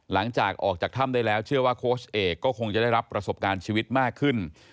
หลังจากออกจากถ้ำได้แล้วเชื่อว่าโค้ชเอกก็คงจะได้รับประสบการณ์ชีวิตมากขึ้น